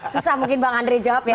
susah mungkin bang andre jawab ya